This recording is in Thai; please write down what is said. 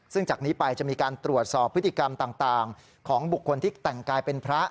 ซึ่งจากนี้ไปจะมีการตรวจสอบพฤติกรรมต่างของบุคคลที่แต่งกายเป็นพระ